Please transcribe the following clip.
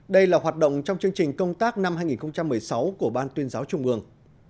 đây là hoạt động trong chương trình công tác năm hai nghìn một mươi sáu của ban tuyên giáo trung ương